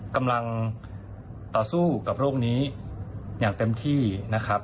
กำลังต่อสู้กับโรคนี้อย่างเต็มที่นะครับ